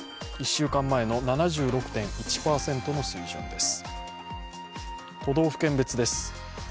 １週間前の７６．１％の水準です。